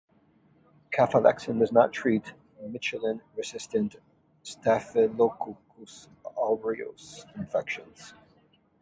Cefalexin does not treat methicillin-resistant "Staphylococcus aureus" infections.